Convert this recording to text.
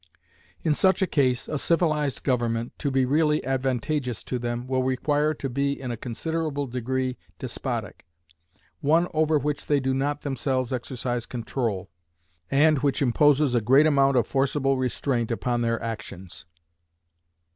In such a case, a civilized government, to be really advantageous to them, will require to be in a considerable degree despotic; one over which they do not themselves exercise control, and which imposes a great amount of forcible restraint upon their actions.